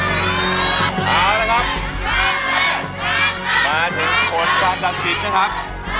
เอานะครับมาถึงคนความตัดสิทธิ์นะครับ